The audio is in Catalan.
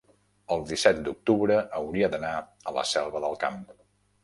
el disset d'octubre hauria d'anar a la Selva del Camp.